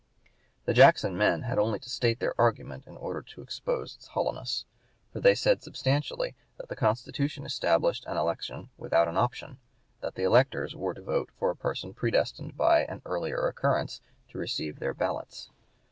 The Jackson men had only to state their argument in order to expose its hollowness; for they said substantially that the Constitution established an election without an option; that the electors were to vote for a person predestined by an earlier occurrence to receive their ballots.